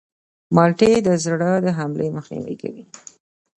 مالټې د زړه د حملې مخنیوی کوي.